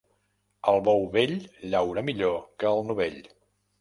El bou vell llaura millor que el novell.